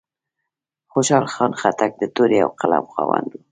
خوشحال خان خټک د تورې او قلم خاوند و.